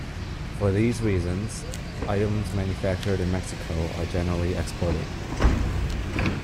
For these reasons, items manufactured in Mexico are generally exported.